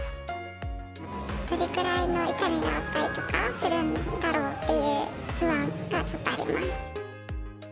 どれくらいの痛みがあったりとかするんだろうっていう不安がちょっとあります。